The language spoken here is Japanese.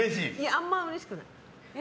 あんまりうれしくない。